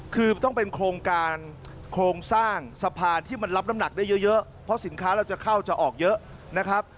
คือต้องเป็นโครงการโครงสร้างสะพานที่มันรับน้ำหนักได้เยอะเพราะสินค้าเราจะเข้าจะออกเยอะนะครับ